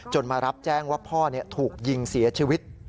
มารับแจ้งว่าพ่อถูกยิงเสียชีวิต